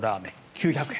９００円。